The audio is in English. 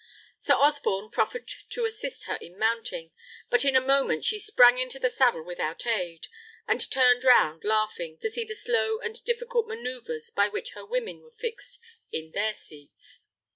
Sir Osborne proffered to assist her in mounting, but in a moment she sprang into the saddle without aid, and turned round laughing, to see the slow and difficult man[oe]uvres by which her women were fixed in their seats.